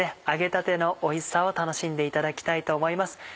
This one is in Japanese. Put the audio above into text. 揚げたてのおいしさを楽しんでいただきたいと思います。